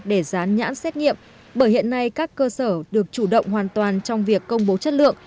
để dán nhãn xét nghiệm bởi hiện nay các cơ sở được chủ động hoàn toàn trong việc công bố chất lượng